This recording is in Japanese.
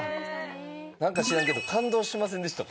なんか知らんけど感動しませんでした？